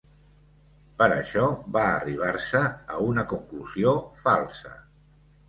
Per això va arribar-se a una conclusió falsa.